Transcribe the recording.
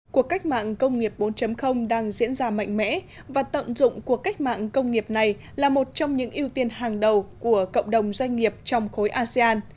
cuộc cách mạng công nghiệp bốn đang diễn ra mạnh mẽ và tận dụng cuộc cách mạng công nghiệp này là một trong những ưu tiên hàng đầu của cộng đồng doanh nghiệp trong khối asean